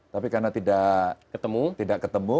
tapi karena tidak ketemu